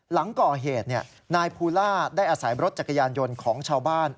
หลังก่อเหตุนายภูล่าได้อาศัยรถจักรยานยนต์ของชาวบ้าน